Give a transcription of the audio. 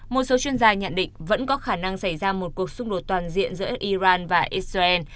một số chuyên gia nhận định vẫn có khả năng xảy ra một cuộc xung đột toàn diện giữa iran và israel